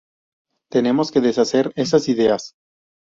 Tenemos que deshacer esas ideas.